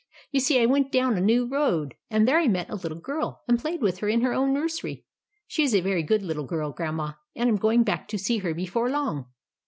You see I went down a new road, and there I met a little girl and played with her in her own nursery. She is a very good little girl, Grandma, and I 'm going back to see her before long."